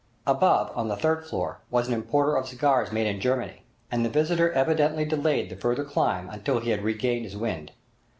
Above, on the third floor, was an importer of cigars made in Germany, and the visitor evidently delayed the further climb until he had regained his wind.